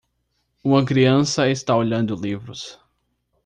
Uma criança está olhando livros.